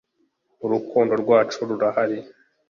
urukundo rwacu rurahari